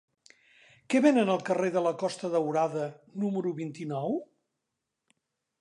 Què venen al carrer de la Costa Daurada número vint-i-nou?